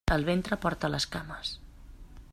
El ventre porta les cames.